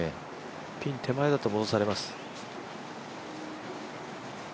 ピン手前だと戻されます。